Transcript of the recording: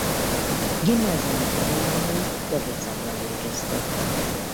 Gimnáziumi tanulmányait Debrecenben végezte.